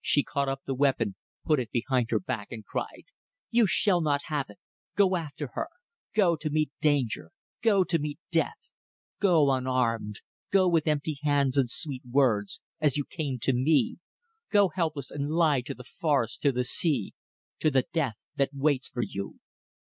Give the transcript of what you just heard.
She caught up the weapon, put it behind her back, and cried "You shall not have it. Go after her. Go to meet danger. ... Go to meet death. ... Go unarmed. ... Go with empty hands and sweet words ... as you came to me. ... Go helpless and lie to the forests, to the sea ... to the death that waits for you.